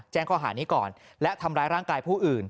ข้อหานี้ก่อนและทำร้ายร่างกายผู้อื่น